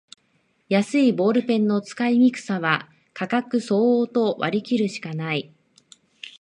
安いボールペンの使いにくさは価格相応と割りきるしかない